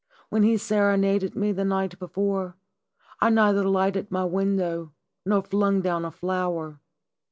"When he serenaded me the night before, I neither lighted my window nor flung down a flower.